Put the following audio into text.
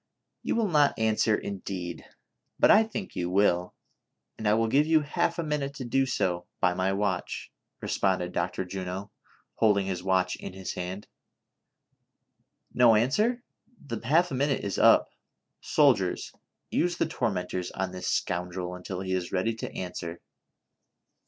" You will not answer, indeed ! But I think you will, and I will give you half a minute to do so by my watch," responded Dr. Juno, holding his watch in his hand : "No answer, the half a minute is up ; soldiers, use the torment ors on this scoundrel until he is ready to answer."